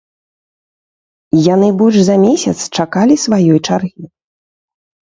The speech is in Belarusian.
Яны больш за месяц чакалі сваёй чаргі.